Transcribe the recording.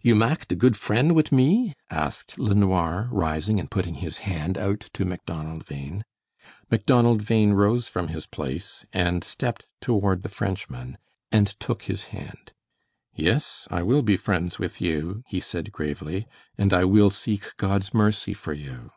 "You mak' de good frien' wit me?" asked LeNoir, rising and putting his hand out to Macdonald Bhain. Macdonald Bhain rose from his place and stepped toward the Frenchman, and took his hand. "Yes, I will be friends with you," he said, gravely, "and I will seek God's mercy for you."